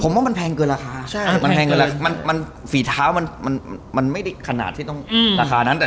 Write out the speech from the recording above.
ผมว่ามันแพงเกินราคามันฝีเท้ามันไม่ได้ขนาดที่ต้องราคานั้น